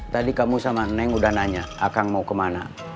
tadi kamu sama neng udah nanya akang mau kemana